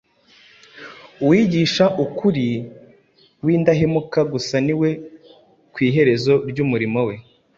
Uwigisha ukuri w’indahemuka gusa ni we ku iherezo ry’umurimo we